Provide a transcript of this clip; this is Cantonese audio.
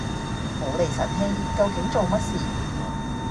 無厘神氣，究竟做乜事？